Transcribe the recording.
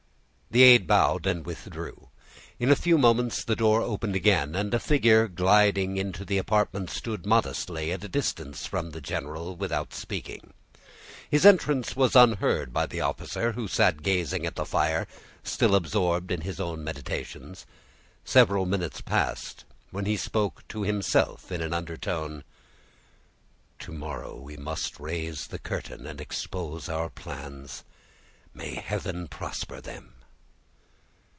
The aid bowed and withdrew. In a few minutes the door again opened, and a figure, gliding into the apartment, stood modestly at a distance from the general, without speaking. His entrance was unheard by the officer, who sat gazing at the fire, still absorbed in his own meditations. Several minutes passed, when he spoke to himself in an undertone,— "To morrow we must raise the curtain, and expose our plans. May Heaven prosper them!"